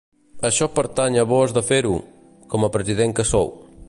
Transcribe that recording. Això pertany a vós de fer-ho, com a president que sou.